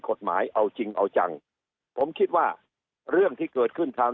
เอาจริงเอาจังผมคิดว่าเรื่องที่เกิดขึ้นทาง